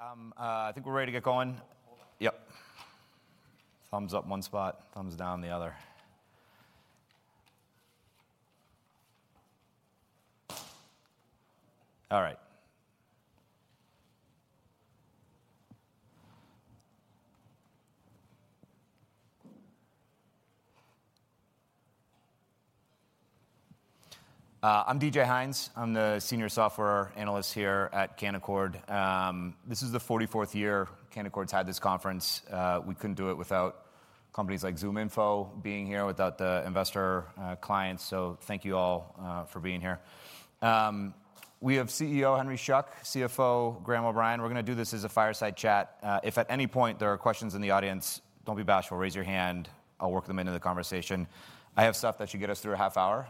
All right, I think we're ready to get going. Yep. Thumbs up, one spot, thumbs down, the other. All right. I'm D.J. Hynes. I'm the Senior Software Analyst here at Canaccord. This is the 44th year Canaccord's had this conference. We couldn't do it without companies like ZoomInfo being here, without the investor clients. So thank you all for being here. We have CEO Henry Schuck, CFO Graham O'Brien. We're gonna do this as a fireside chat. If at any point there are questions in the audience, don't be bashful, raise your hand, I'll work them into the conversation. I have stuff that should get us through a half hour.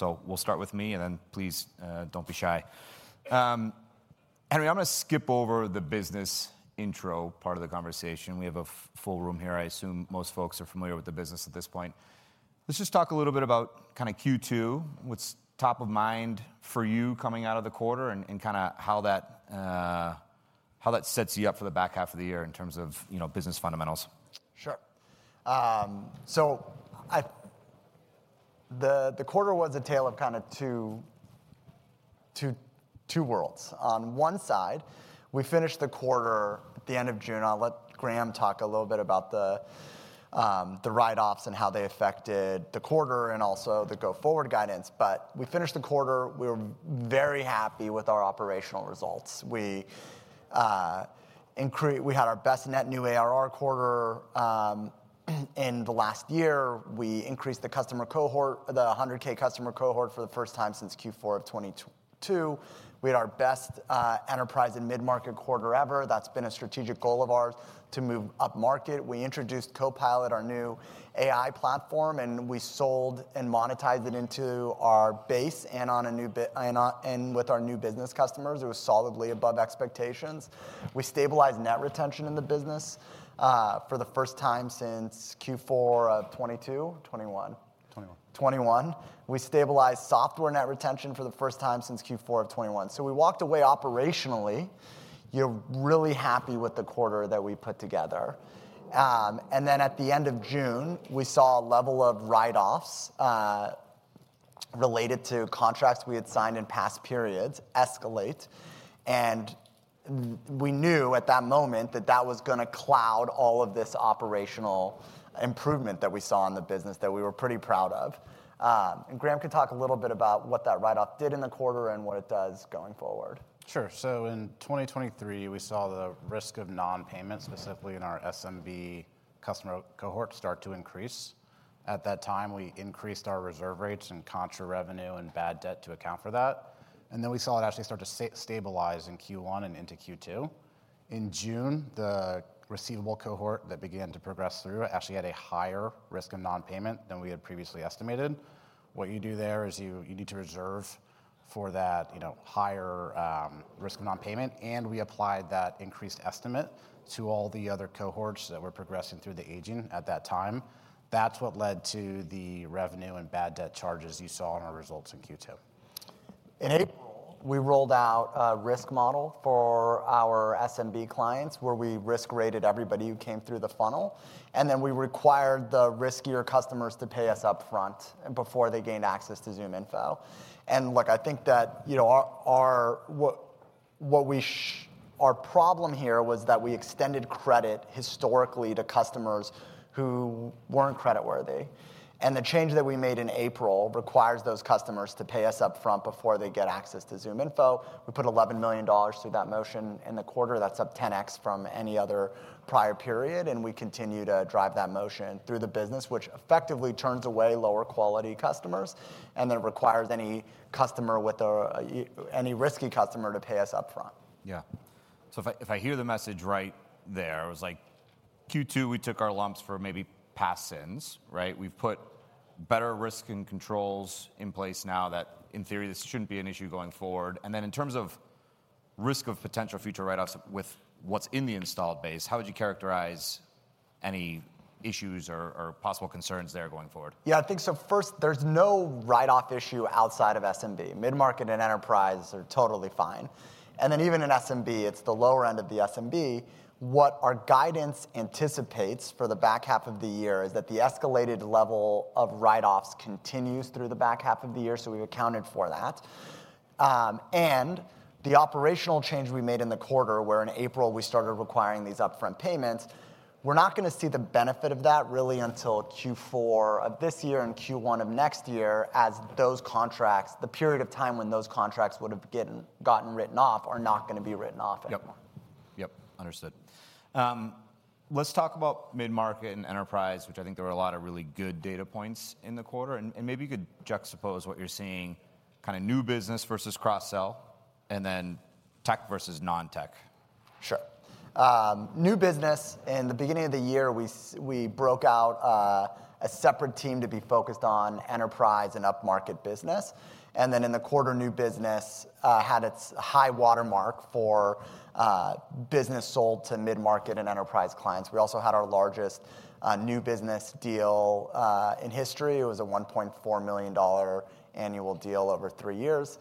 So we'll start with me, and then please, don't be shy. Henry, I'm gonna skip over the business intro part of the conversation. We have a full room here. I assume most folks are familiar with the business at this point. Let's just talk a little bit about kind of Q2, what's top of mind for you coming out of the quarter, and kind of how that sets you up for the back half of the year in terms of, you know, business fundamentals. Sure. So the quarter was a tale of kind of two worlds. On one side, we finished the quarter at the end of June. I'll let Graham talk a little bit about the write-offs and how they affected the quarter and also the go-forward guidance, but we finished the quarter. We were very happy with our operational results. We had our best net new ARR quarter in the last year. We increased the customer cohort, the $100,000 customer cohort for the first time since Q4 of 2022. We had our best enterprise and mid-market quarter ever. That's been a strategic goal of ours to move upmarket. We introduced Copilot, our new AI platform, and we sold and monetized it into our base, and on a new basis and with our new business customers, it was solidly above expectations. We stabilized net retention in the business for the first time since Q4 of 2022, 2021? 2021. 2021. We stabilized software net retention for the first time since Q4 of 2021. So we walked away operationally, you know, really happy with the quarter that we put together. And then at the end of June, we saw a level of write-offs related to contracts we had signed in past periods escalate, and we knew at that moment that that was gonna cloud all of this operational improvement that we saw in the business that we were pretty proud of. And Graham could talk a little bit about what that write-off did in the quarter and what it does going forward. Sure. So in 2023, we saw the risk of non-payment, specifically in our SMB customer cohort, start to increase. At that time, we increased our reserve rates and contra revenue and bad debt to account for that, and then we saw it actually start to stabilize in Q1 and into Q2. In June, the receivable cohort that began to progress through actually had a higher risk of non-payment than we had previously estimated. What you do there is you, you need to reserve for that, you know, higher risk of non-payment, and we applied that increased estimate to all the other cohorts that were progressing through the aging at that time. That's what led to the revenue and bad debt charges you saw on our results in Q2. In April, we rolled out a risk model for our SMB clients, where we risk-rated everybody who came through the funnel, and then we required the riskier customers to pay us upfront before they gained access to ZoomInfo. And look, I think that, you know, our problem here was that we extended credit historically to customers who weren't creditworthy, and the change that we made in April requires those customers to pay us upfront before they get access to ZoomInfo. We put $11 million through that motion in the quarter. That's up 10x from any other prior period, and we continue to drive that motion through the business, which effectively turns away lower-quality customers, and then requires any risky customer to pay us upfront. Yeah. So if I hear the message right there, it was like Q2, we took our lumps for maybe past sins, right? We've put better risk and controls in place now that, in theory, this shouldn't be an issue going forward. And then, in terms of risk of potential future write-offs with what's in the installed base, how would you characterize any issues or, or possible concerns there going forward? Yeah, I think so first, there's no write-off issue outside of SMB. Mid-market and enterprise are totally fine, and then even in SMB, it's the lower end of the SMB. What our guidance anticipates for the back half of the year is that the escalated level of write-offs continues through the back half of the year, so we accounted for that. And the operational change we made in the quarter, where in April we started requiring these upfront payments, we're not gonna see the benefit of that really until Q4 of this year and Q1 of next year, as those contracts, the period of time when those contracts would've gotten written off, are not gonna be written off anymore. Yep. Yep, understood. Let's talk about mid-market and enterprise, which I think there were a lot of really good data points in the quarter, and maybe you could juxtapose what you're seeing, kind of new business versus cross-sell, and then tech versus non-tech. Sure. New business, in the beginning of the year, we broke out a separate team to be focused on enterprise and upmarket business. And then in the quarter, new business had its high watermark for business sold to mid-market and enterprise clients. We also had our largest new business deal in history. It was a $1.4 million annual deal over three years.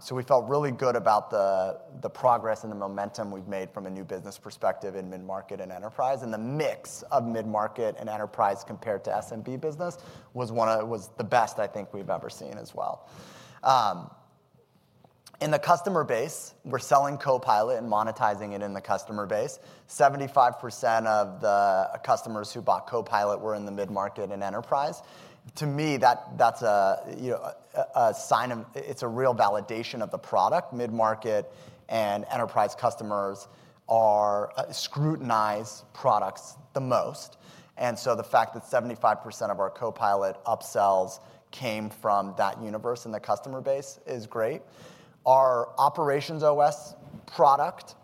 So we felt really good about the progress and the momentum we've made from a new business perspective in mid-market and enterprise, and the mix of mid-market and enterprise compared to SMB business was the best I think we've ever seen as well. In the customer base, we're selling Copilot and monetizing it in the customer base. 75% of the customers who bought Copilot were in the mid-market and enterprise. To me, that's a, you know, a sign of... It's a real validation of the product. Mid-market and enterprise customers are scrutinize products the most, and so the fact that 75% of our Copilot upsells came from that universe and the customer base is great. Our OperationsOS product,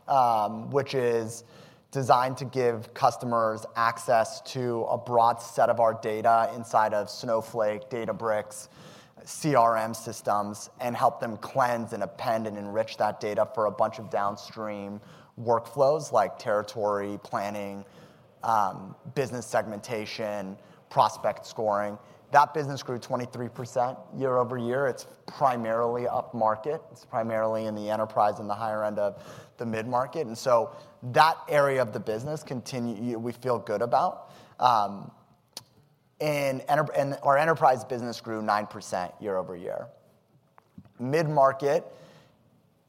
which is designed to give customers access to a broad set of our data inside of Snowflake, Databricks, CRM systems, and help them cleanse, and append, and enrich that data for a bunch of downstream workflows like territory planning, business segmentation, prospect scoring. That business grew 23% year-over-year. It's primarily upmarket. It's primarily in the enterprise and the higher end of the mid-market, and so that area of the business we feel good about. And our enterprise business grew 9% year-over-year. Mid-market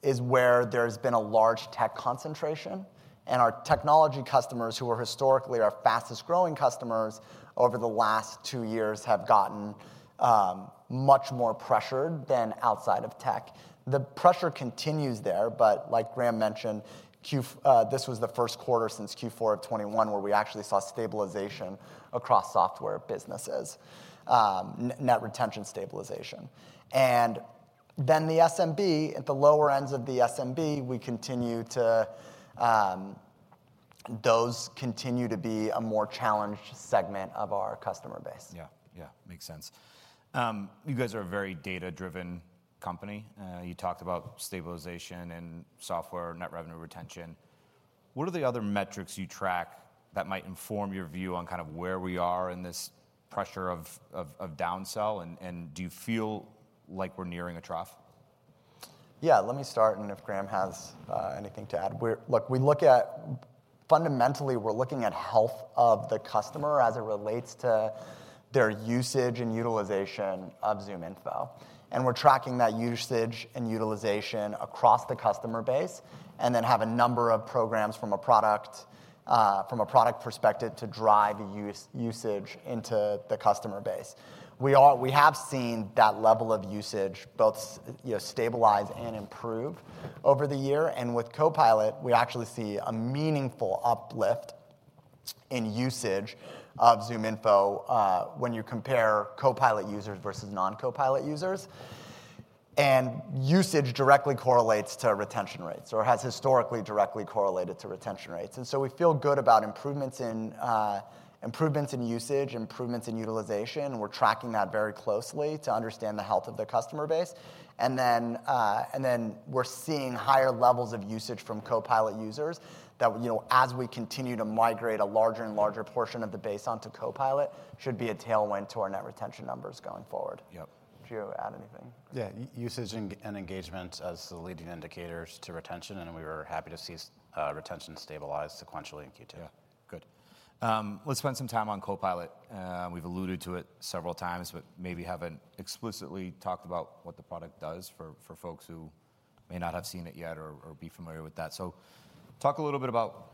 is where there's been a large tech concentration, and our technology customers, who are historically our fastest-growing customers over the last two years, have gotten much more pressured than outside of tech. The pressure continues there, but like Graham mentioned, this was the first quarter since Q4 of 2021, where we actually saw stabilization across software businesses, net retention stabilization. Then the SMB, at the lower ends of the SMB, those continue to be a more challenged segment of our customer base. Yeah. Yeah, makes sense. You guys are a very data-driven company. You talked about stabilization and software, net revenue retention. What are the other metrics you track that might inform your view on kind of where we are in this pressure of downsell, and do you feel like we're nearing a trough? Yeah, let me start, and if Graham has anything to add. Look, we look at... Fundamentally, we're looking at health of the customer as it relates to their usage and utilization of ZoomInfo, and we're tracking that usage and utilization across the customer base, and then have a number of programs from a product perspective, to drive usage into the customer base. We have seen that level of usage both, you know, stabilize and improve over the year, and with Copilot, we actually see a meaningful uplift in usage of ZoomInfo, when you compare Copilot users versus non-Copilot users. And usage directly correlates to retention rates or has historically directly correlated to retention rates. And so we feel good about improvements in usage, improvements in utilization, and we're tracking that very closely to understand the health of the customer base. And then we're seeing higher levels of usage from Copilot users that, you know, as we continue to migrate a larger and larger portion of the base onto Copilot, should be a tailwind to our net retention numbers going forward. Yep. Do you add anything? Yeah, usage and engagement as the leading indicators to retention, and we were happy to see retention stabilize sequentially in Q2. Yeah, good. Let's spend some time on Copilot. We've alluded to it several times, but maybe haven't explicitly talked about what the product does for folks who may not have seen it yet or be familiar with that. So talk a little bit about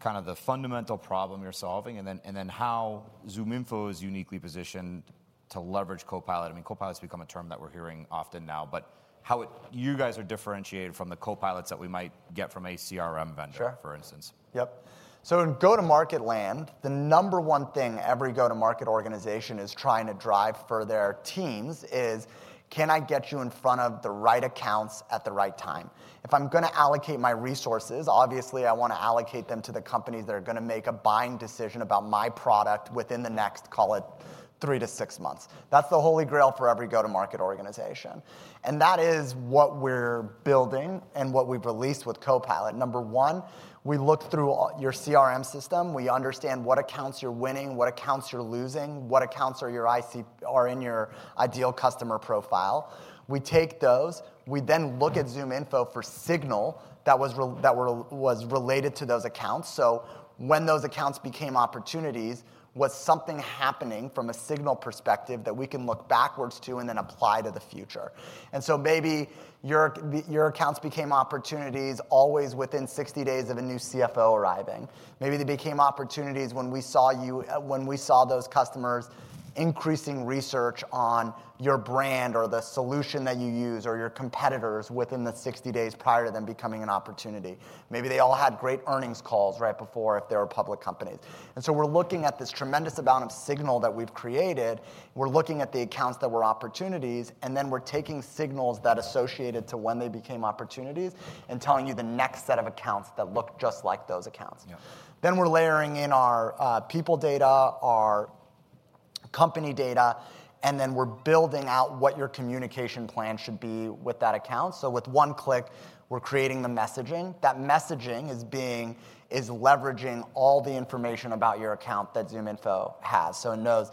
kind of the fundamental problem you're solving, and then how ZoomInfo is uniquely positioned to leverage Copilot. I mean, Copilot's become a term that we're hearing often now, but how it- you guys are differentiated from the Copilots that we might get from a CRM vendor- Sure... for instance? Yep. So in go-to-market land, the number one thing every go-to-market organization is trying to drive for their teams is: Can I get you in front of the right accounts at the right time? If I'm gonna allocate my resources, obviously, I wanna allocate them to the companies that are gonna make a buying decision about my product within the next, call it three to six months. That's the holy grail for every go-to-market organization, and that is what we're building and what we've released with Copilot. Number one, we look through all your CRM system. We understand what accounts you're winning, what accounts you're losing, what accounts are your ICP are in your ideal customer profile. We take those. We then look at ZoomInfo for signals that were related to those accounts. So when those accounts became opportunities, was something happening from a signal perspective that we can look backwards to and then apply to the future? And so maybe your accounts became opportunities always within 60 days of a new CFO arriving. Maybe they became opportunities when we saw those customers increasing research on your brand or the solution that you use or your competitors within the 60 days prior to them becoming an opportunity. Maybe they all had great earnings calls right before, if they were public companies. And so we're looking at this tremendous amount of signal that we've created. We're looking at the accounts that were opportunities, and then we're taking signals that associated to when they became opportunities, and telling you the next set of accounts that look just like those accounts. Yeah. Then we're layering in our people data, our company data, and then we're building out what your communication plan should be with that account. So with one click, we're creating the messaging. That messaging is leveraging all the information about your account that ZoomInfo has. So it knows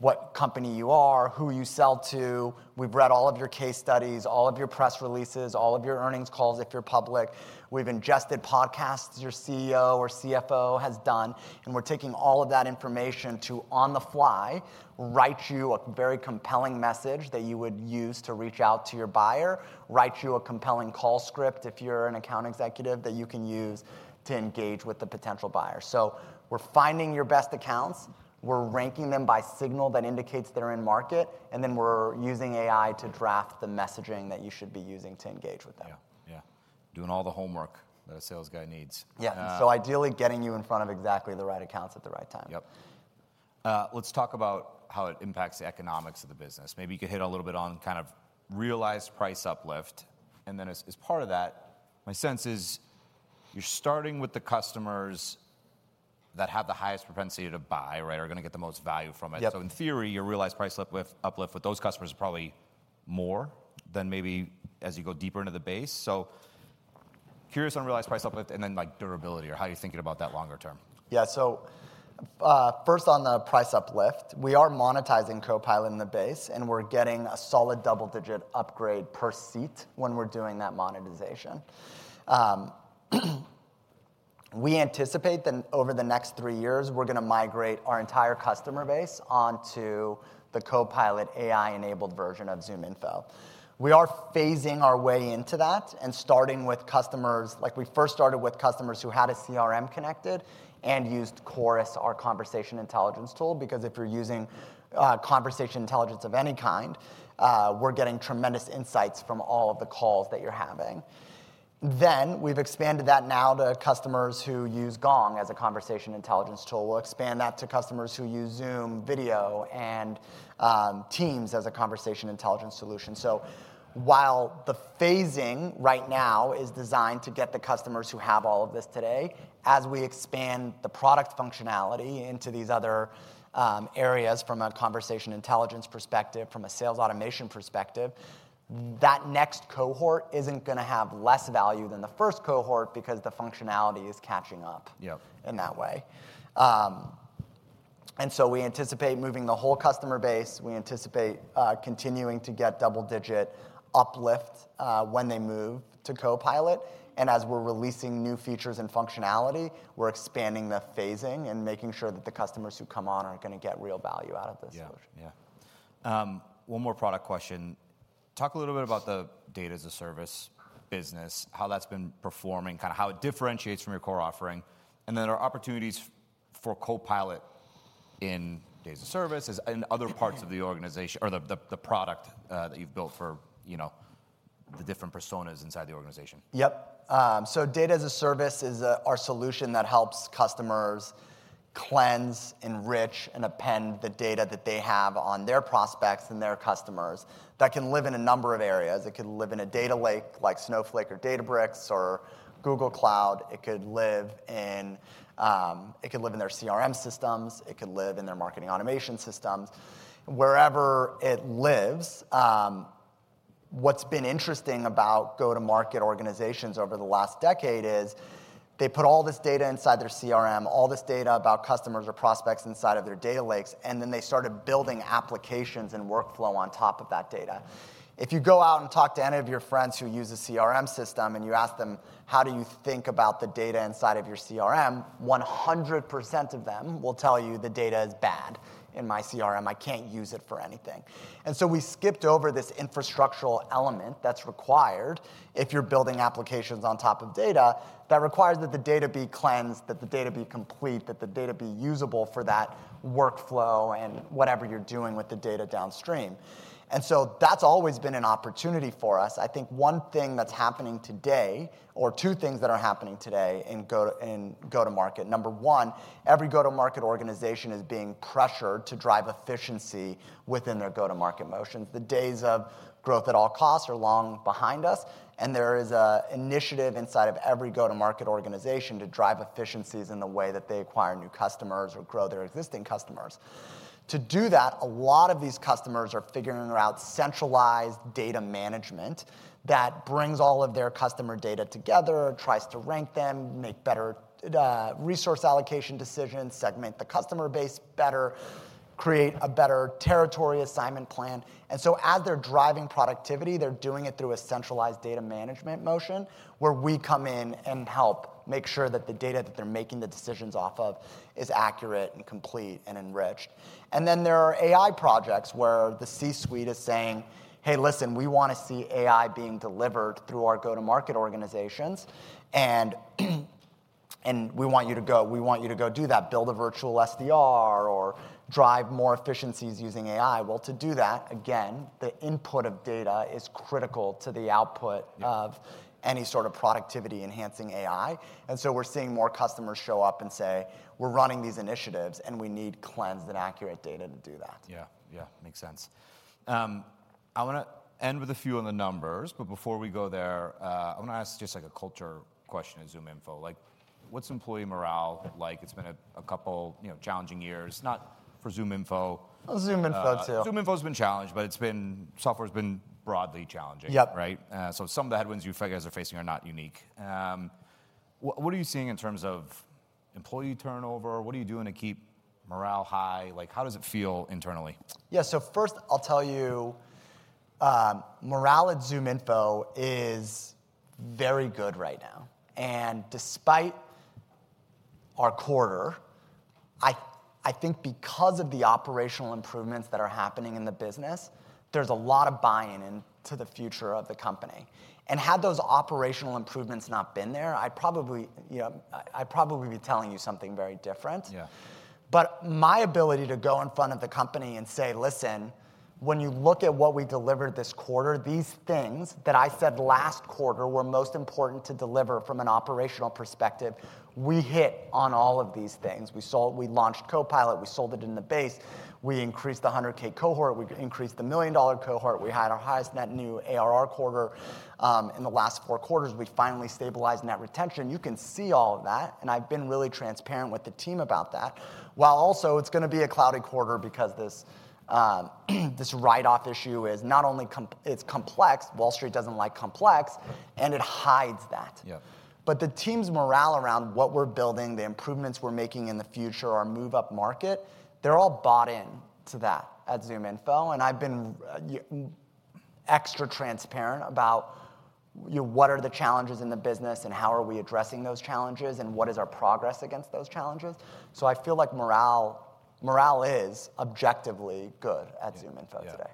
what company you are, who you sell to, we've read all of your case studies, all of your press releases, all of your earnings calls if you're public, we've ingested podcasts your CEO or CFO has done, and we're taking all of that information to, on the fly, write you a very compelling message that you would use to reach out to your buyer, write you a compelling call script if you're an account executive, that you can use to engage with the potential buyer. So we're finding your best accounts, we're ranking them by signal that indicates they're in market, and then we're using AI to draft the messaging that you should be using to engage with them. Yeah. Yeah. Doing all the homework that a sales guy needs. Yeah. So ideally, getting you in front of exactly the right accounts at the right time. Yep. Let's talk about how it impacts the economics of the business. Maybe you could hit a little bit on kind of realized price uplift, and then as part of that, my sense is you're starting with the customers that have the highest propensity to buy, right? Are going to get the most value from it. Yep. In theory, your realized price uplift, uplift with those customers is probably more than maybe as you go deeper into the base. Curious on realized price uplift and then, like, durability, or how you're thinking about that longer term. Yeah. So, first, on the price uplift, we are monetizing Copilot in the base, and we're getting a solid double-digit upgrade per seat when we're doing that monetization. We anticipate that over the next three years, we're gonna migrate our entire customer base onto the Copilot AI-enabled version of ZoomInfo. We are phasing our way into that and starting with customers—like, we first started with customers who had a CRM connected and used Chorus, our conversation intelligence tool, because if you're using conversation intelligence of any kind, we're getting tremendous insights from all of the calls that you're having. Then, we've expanded that now to customers who use Gong as a conversation intelligence tool. We'll expand that to customers who use Zoom Video and Teams as a conversation intelligence solution. So while the phasing right now is designed to get the customers who have all of this today, as we expand the product functionality into these other areas from a conversation intelligence perspective, from a sales automation perspective, that next cohort isn't gonna have less value than the first cohort because the functionality is catching up- Yeah... in that way. And so we anticipate moving the whole customer base. We anticipate continuing to get double-digit uplift when they move to Copilot, and as we're releasing new features and functionality, we're expanding the phasing and making sure that the customers who come on are gonna get real value out of this solution. Yeah. Yeah. One more product question. Talk a little bit about the Data as a Service business, how that's been performing, kind of how it differentiates from your core offering, and then are opportunities for Copilot in Data as a Service, as in other parts of the organization or the product that you've built for, you know, the different personas inside the organization? Yep. So Data as a Service is our solution that helps customers cleanse, enrich, and append the data that they have on their prospects and their customers. That can live in a number of areas. It could live in a data lake like Snowflake or Databricks or Google Cloud. It could live in their CRM systems, it could live in their marketing automation systems, wherever it lives. What's been interesting about go-to-market organizations over the last decade is they put all this data inside their CRM, all this data about customers or prospects inside of their data lakes, and then they started building applications and workflow on top of that data. If you go out and talk to any of your friends who use a CRM system, and you ask them: "How do you think about the data inside of your CRM?" 100% of them will tell you, "The data is bad in my CRM. I can't use it for anything." And so we skipped over this infrastructural element that's required if you're building applications on top of data, that requires that the data be cleansed, that the data be complete, that the data be usable for that workflow and whatever you're doing with the data downstream. And so that's always been an opportunity for us. I think one thing that's happening today, or two things that are happening today in go-to-market: number one, every go-to-market organization is being pressured to drive efficiency within their go-to-market motions. The days of growth at all costs are long behind us, and there is a initiative inside of every go-to-market organization to drive efficiencies in the way that they acquire new customers or grow their existing customers. To do that, a lot of these customers are figuring out centralized data management that brings all of their customer data together, tries to rank them, make better resource allocation decisions, segment the customer base better, create a better territory assignment plan. And so as they're driving productivity, they're doing it through a centralized data management motion, where we come in and help make sure that the data that they're making the decisions off of is accurate, and complete, and enriched. Then there are AI projects where the C-suite is saying: "Hey, listen, we wanna see AI being delivered through our go-to-market organizations, and we want you to go do that. Build a virtual SDR or drive more efficiencies using AI." Well, to do that, again, the input of data is critical to the output of- Yeah ... any sort of productivity-enhancing AI. And so we're seeing more customers show up and say: "We're running these initiatives, and we need cleansed and accurate data to do that. Yeah. Yeah, makes sense. I wanna end with a few on the numbers, but before we go there, I wanna ask just like a culture question at ZoomInfo. Like, what's employee morale like? It's been a couple, you know, challenging years, not for ZoomInfo. ZoomInfo, too. ZoomInfo's been challenged, but software's been broadly challenging. Yep. Right? So some of the headwinds you guys are facing are not unique. What are you seeing in terms of employee turnover? What are you doing to keep morale high? Like, how does it feel internally? Yeah. So first, I'll tell you, morale at ZoomInfo is very good right now, and despite our quarter, I think because of the operational improvements that are happening in the business, there's a lot of buy-in into the future of the company. And had those operational improvements not been there, I'd probably, you know, I'd probably be telling you something very different. Yeah. But my ability to go in front of the company and say, "Listen, when you look at what we delivered this quarter, these things that I said last quarter were most important to deliver from an operational perspective, we hit on all of these things." We launched Copilot. We sold it in the base. We increased the $100,000 cohort. We increased the million-dollar cohort. We had our highest net new ARR quarter in the last four quarters. We finally stabilized net retention. You can see all of that, and I've been really transparent with the team about that. While also it's gonna be a cloudy quarter because this write-off issue is not only it's complex. Wall Street doesn't like complex, and it hides that. Yeah. But the team's morale around what we're building, the improvements we're making in the future, our move-up market, they're all bought in to that at ZoomInfo, and I've been extra transparent about, you know, what are the challenges in the business, and how are we addressing those challenges, and what is our progress against those challenges. So I feel like morale, morale is objectively good at ZoomInfo today.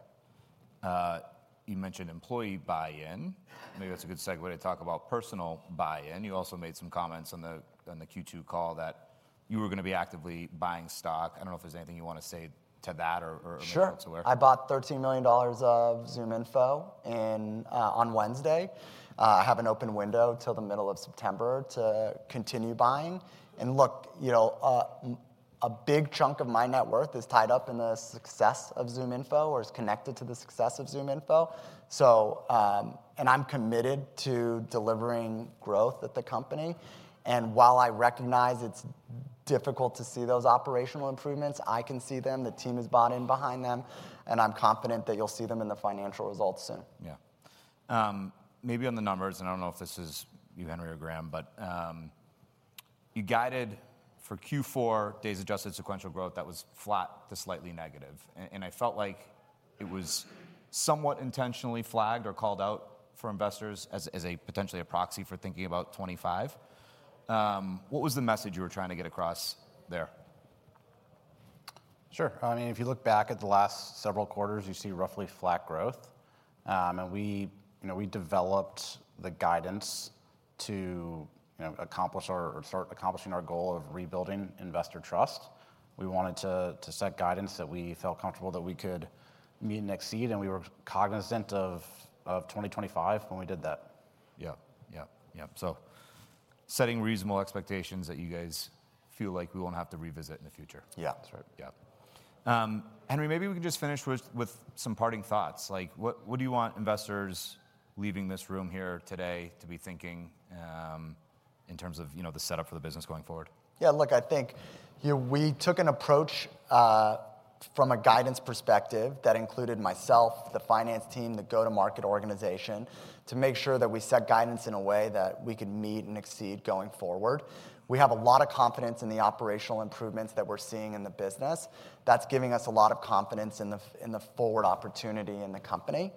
Yeah. You mentioned employee buy-in. Maybe that's a good segue to talk about personal buy-in. You also made some comments on the Q2 call that you were gonna be actively buying stock. I don't know if there's anything you want to say to that or... Sure make us aware. I bought $13 million of ZoomInfo in, on Wednesday. I have an open window till the middle of September to continue buying, and look, you know, a big chunk of my net worth is tied up in the success of ZoomInfo or is connected to the success of ZoomInfo. So, and I'm committed to delivering growth at the company, and while I recognize it's difficult to see those operational improvements, I can see them, the team has bought in behind them, and I'm confident that you'll see them in the financial results soon. Yeah. Maybe on the numbers, and I don't know if this is you, Henry or Graham, but you guided for Q4 days-adjusted sequential growth that was flat to slightly negative, and I felt like it was somewhat intentionally flagged or called out for investors as a potential proxy for thinking about 2025. What was the message you were trying to get across there? Sure. I mean, if you look back at the last several quarters, you see roughly flat growth. And we, you know, we developed the guidance to, you know, accomplish or start accomplishing our goal of rebuilding investor trust. We wanted to set guidance that we felt comfortable that we could meet and exceed, and we were cognizant of 2025 when we did that. Yeah, yeah, yeah. So setting reasonable expectations that you guys feel like we won't have to revisit in the future? Yeah, that's right. Yeah. Henry, maybe we can just finish with some parting thoughts. Like, what do you want investors leaving this room here today to be thinking, in terms of, you know, the setup for the business going forward? Yeah, look, I think, you know, we took an approach, from a guidance perspective that included myself, the finance team, the go-to-market organization, to make sure that we set guidance in a way that we could meet and exceed going forward. We have a lot of confidence in the operational improvements that we're seeing in the business. That's giving us a lot of confidence in the, in the forward opportunity in the company.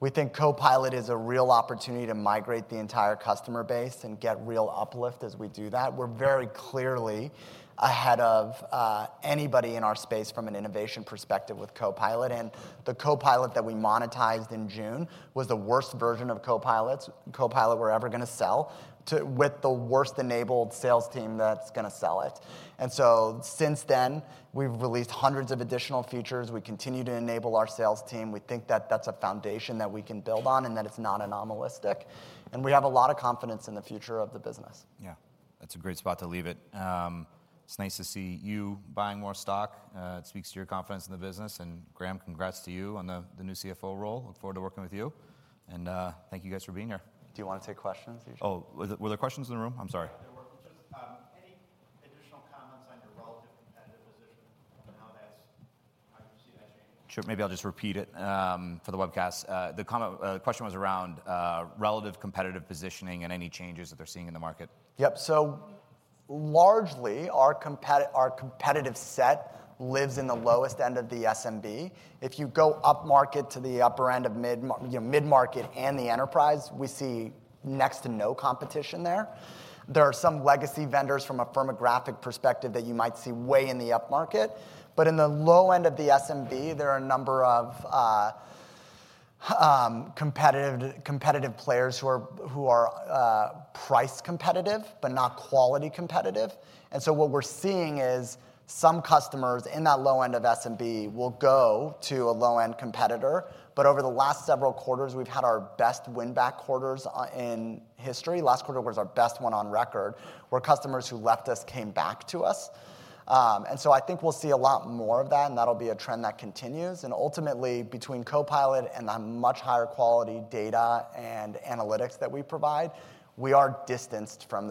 We think Copilot is a real opportunity to migrate the entire customer base and get real uplift as we do that. We're very clearly ahead of anybody in our space from an innovation perspective with Copilot, and the Copilot that we monetized in June was the worst version of Copilots, Copilot we're ever gonna sell to with the worst enabled sales team that's gonna sell it. Since then, we've released hundreds of additional features. We continue to enable our sales team. We think that that's a foundation that we can build on and that it's not anomalistic, and we have a lot of confidence in the future of the business. Yeah, that's a great spot to leave it. It's nice to see you buying more stock. It speaks to your confidence in the business, and, Graham, congrats to you on the, the new CFO role. Look forward to working with you, and, thank you guys for being here. Do you want to take questions, D.J.? Oh, were there, were there questions in the room? I'm sorry. Yeah, there were. Just, any additional comments on your relative competitive position and how that's, how you see that changing? Sure, maybe I'll just repeat it, for the webcast. The question was around relative competitive positioning and any changes that they're seeing in the market. Yep. So largely, our competitive set lives in the lowest end of the SMB. If you go upmarket to the upper end of mid-market, you know, and the enterprise, we see next to no competition there. There are some legacy vendors from a firmographic perspective that you might see way in the upmarket, but in the low end of the SMB, there are a number of competitive players who are price competitive, but not quality competitive. And so what we're seeing is some customers in that low end of SMB will go to a low-end competitor, but over the last several quarters, we've had our best win-back quarters in history. Last quarter was our best one on record, where customers who left us came back to us. I think we'll see a lot more of that, and that'll be a trend that continues, and ultimately, between Copilot and the much higher quality data and analytics that we provide, we are distanced from those-